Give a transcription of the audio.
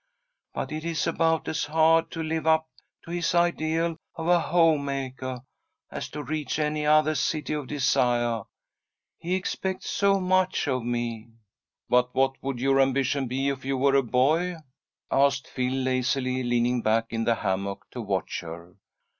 But it is about as hard to live up to his ideal of a home makah, as to reach any othah City of Desiah. He expects so much of me." "But what would your ambition be if you were a boy?" asked Phil, lazily leaning back in the hammock to watch her.